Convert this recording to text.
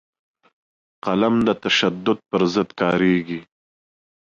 قلم د تشدد پر ضد کارېږي